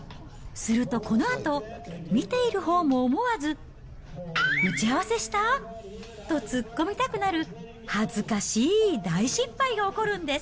するとこのあと、見ているほうも思わず、打ち合わせした？と突っ込みたくなる恥ずかしい大失敗が起こるんです。